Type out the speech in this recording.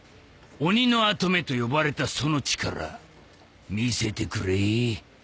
”鬼”の跡目と呼ばれたその力見せてくれ。